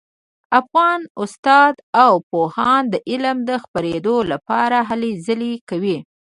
افغان استادان او پوهان د علم د خپریدو لپاره هلې ځلې کوي